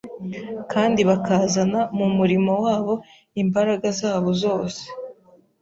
kandi bakazana mu murimo wabo imbaraga zabo zose.